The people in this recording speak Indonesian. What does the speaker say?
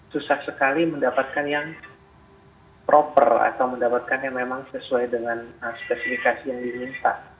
susah sekali mendapatkan yang proper atau mendapatkan yang memang sesuai dengan spesifikasi yang diminta